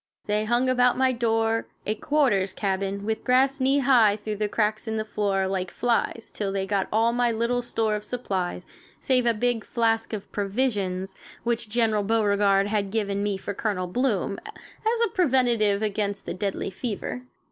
They hung about my door, a "quarters" cabin with grass knee high through the cracks in the floor, like flies, till they got all my little store of supplies, save a big flask of "provisions" which General Beauregard had given me for Colonel Bloom, as a preventive against the deadly fever.